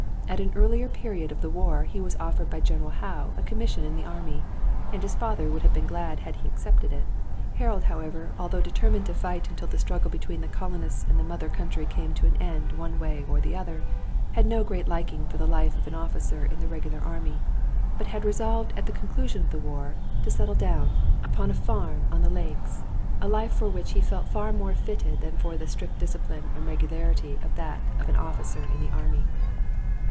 At an earlier period of the war he was offered by General Howe a commission in the army, and his father would have been glad had he accepted it. Harold, however, although determined to fight until the struggle between the colonists and the mother country came to an end one way or the other, had no great liking for the life of an officer in the regular army, but had resolved at the conclusion of the war to settle down upon a farm on the lakes a life for which he felt far more fitted than for the strict discipline and regularity of that of an officer in the army.